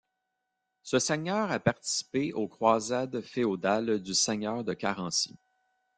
Ce seigneur a participé aux croisades féodales du seigneur de Carency.